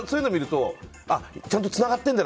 ちゃんとつながってるんだな